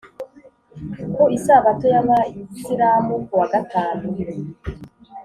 ku isabato y’abisilamu (kuwa gatanu),